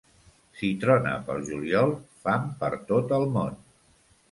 Si trona pel juliol, fam per tot el món.